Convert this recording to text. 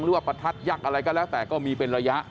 ประทัดยักษ์อะไรก็แล้วแต่ก็มีเป็นระยะ